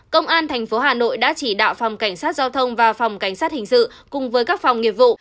công an tp hà nội đã chỉ đạo phòng cảnh sát giao thông và phòng cảnh sát hình sự cùng với các phòng nghiệp vụ